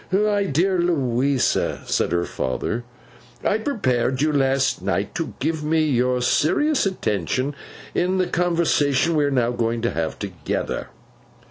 'My dear Louisa,' said her father, 'I prepared you last night to give me your serious attention in the conversation we are now going to have together.